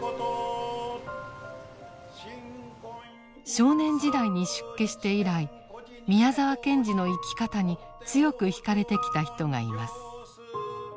少年時代に出家して以来宮沢賢治の生き方に強くひかれてきた人がいます。